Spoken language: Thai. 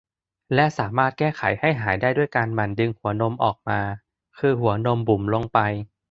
และสามารถแก้ไขให้หายได้ด้วยการหมั่นดึงหัวนมออกมา คือหัวนมบุ๋มลงไป